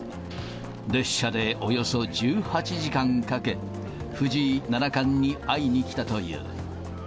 列車でおよそ１８時間かけ、藤井七冠に会いに来たという。